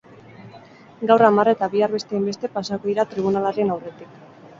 Gaur hamar eta bihar beste hainbeste pasako dira tribunalaren aurretik.